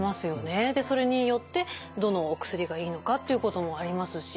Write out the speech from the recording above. でそれによってどのお薬がいいのかっていうこともありますし。